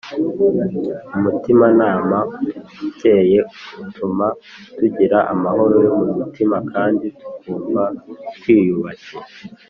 Umutimanama ukeye utuma tugira amahoro yo mu mutima kandi tukumva twiyubashye